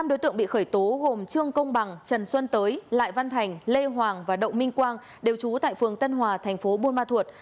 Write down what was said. năm đối tượng bị khởi tố gồm trương công bằng trần xuân tới lại văn thành lê hoàng và đậu minh quang đều trú tại phường tân hòa thành phố buôn ma thuột